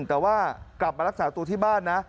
แต่ว่ากลับมารักษาตัวที่บ้านนะ